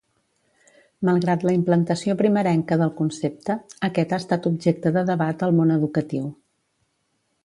Malgrat la implantació primerenca del concepte, aquest ha estat objecte de debat al món educatiu.